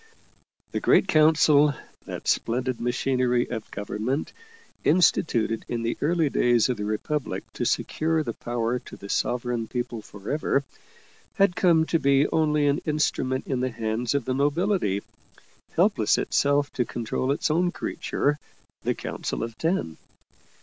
The Great Council, that splendid machinery of government, instituted in the early days of the Republic to secure the power to the Sovereign People forever, had come to be only an instrument in the hands of the nobility, helpless itself to control its own creature, the Council of Ten.